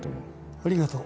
ありがとう。